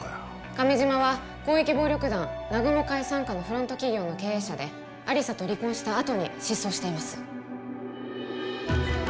亀島は広域暴力団南雲会傘下のフロント企業の経営者で亜理紗と離婚したあとに失踪しています